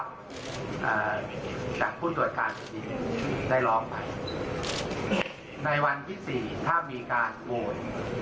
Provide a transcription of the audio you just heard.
อ่าจากผู้ตรวจการแผ่นดินได้ร้องไปในวันที่สี่ถ้ามีการโหวต